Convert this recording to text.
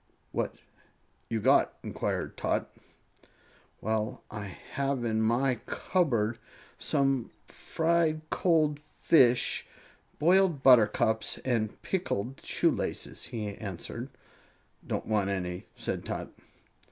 "What you got?" inquired Tot. "Well, I have in my cupboard some fried goldfish, boiled buttercups and pickled shoelaces," he answered. "Don't want any," said Tot.